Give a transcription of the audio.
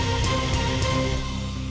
mas ini dia mas